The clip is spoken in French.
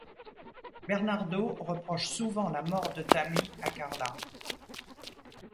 Bernardo reproche souvent la mort de Tammy à Karla.